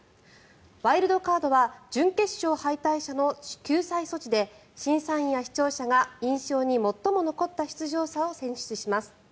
ワイルドカードは準決勝敗退者の救済措置で審査員や視聴者が印象に最も残った出場者を選出します。